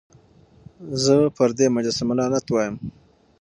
زه پر دې مجسمه لعنت وايم.